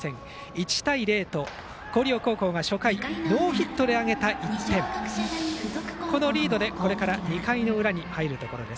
１対０と広陵高校が初回ノーヒットで挙げた１点このリードでこれから２回裏に入ります。